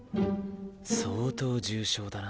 相当重症だな。